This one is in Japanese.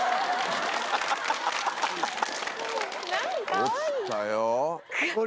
落ちたよ。